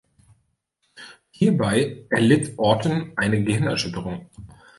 Hierbei erlitt Orton eine Gehirnerschütterung.